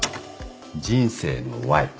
人生のＹ。